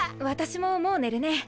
私ももう寝るね。